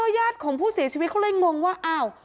ยาดของผู้เสียชีวิตเขาเลยงงว่า